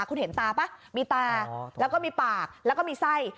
คุณเห็นตาป่ะมีตาแล้วก็มีปากแล้วก็มีไส้